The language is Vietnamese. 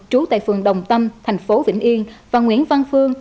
trú tại phường đồng tâm thành phố vĩnh yên và nguyễn văn phương